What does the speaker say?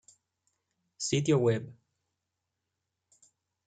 Sitio Web